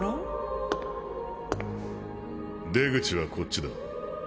出口はこっちだ。